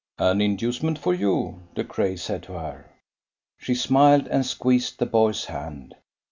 "An inducement for you," De Craye said to her. She smiled and squeezed the boy's hand.